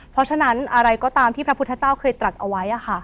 เพราะฉะนั้นอะไรก็ตามที่พระพุทธเจ้าเคยตรักเอาไว้